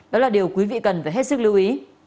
đó là điều quý vị cần phải hết sức lưu ý